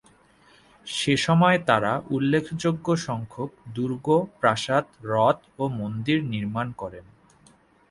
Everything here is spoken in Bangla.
সেসময় তারা উল্লেখযোগ্য সংখ্যক দুর্গ, প্রাসাদ, হ্রদ, ও মন্দির নির্মাণ করেন।